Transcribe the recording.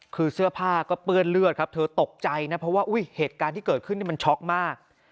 คือเสื้อผ้าก็เปื้อนเลือดครับเธอตกใจนะเพราะว่าเหตุการณ์ที่เกิดขึ้นมันช็อกมาก